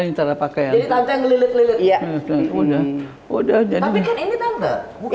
ini cara pakaian ya udah udah